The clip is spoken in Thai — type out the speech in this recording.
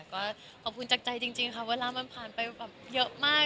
ก็ขอบคุณจากใจจริงค่ะเวลามันผ่านไปแบบเยอะมาก